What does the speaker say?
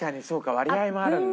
割合もあるんだ。